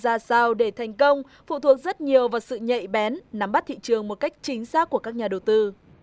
ra sao để thành công phụ thuộc rất nhiều vào sự nhạy bén nắm bắt thị trường một cách chính xác của các nhà đầu tư